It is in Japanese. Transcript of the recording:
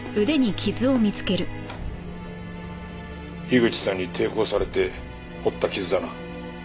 口さんに抵抗されて負った傷だな？